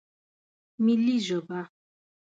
ملي ژبه